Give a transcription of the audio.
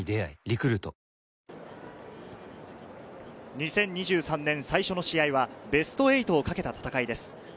２０２３年、最初の試合はベスト８を懸けた戦いです。